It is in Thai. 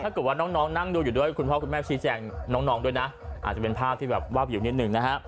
ถ้าคุณพ่อคุณแม่ชี้แจ่งน้องด้วยนะอาจจะเป็นภาพที่แบบวาบอยู่นิดนึงนะฮะ